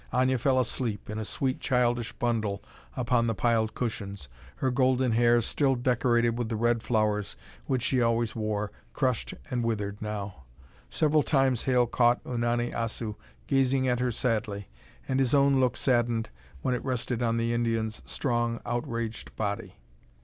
Aña fell asleep, in a sweet, childish bundle upon the piled cushions, her golden hair, still decorated with the red flowers which she always wore, crushed and withered now. Several times Hale caught Unani Assu gazing at her sadly, and his own look saddened when it rested on the Indian's strong, outraged body.